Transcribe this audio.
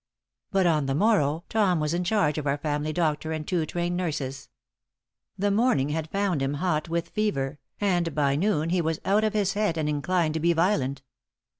But on the morrow Tom was in charge of our family doctor and two trained nurses. The morning had found him hot with fever, and by noon he was out of his head and inclined to be violent.